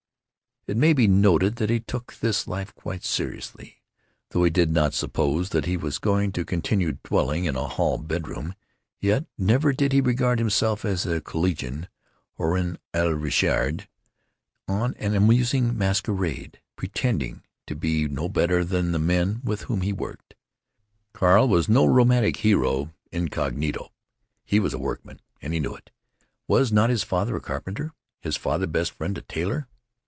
It may be noted that he took this life quite seriously. Though he did not suppose that he was going to continue dwelling in a hall bedroom, yet never did he regard himself as a collegian Haroun al Raschid on an amusing masquerade, pretending to be no better than the men with whom he worked. Carl was no romantic hero incog. He was a workman, and he knew it. Was not his father a carpenter? his father's best friend a tailor?